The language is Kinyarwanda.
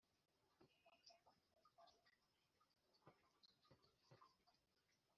Nuko Dawidi aracika arigendera.